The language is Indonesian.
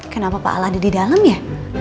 kenapa pak al ada di dalam ya